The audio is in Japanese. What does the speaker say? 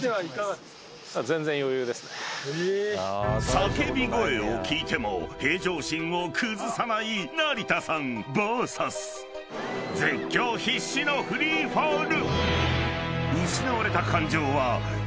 ［叫び声を聞いても平常心を崩さない成田さんＶＳ絶叫必至のフリーフォール］